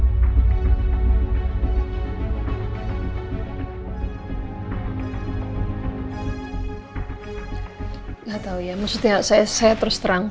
tidak tahu ya maksudnya saya terus terang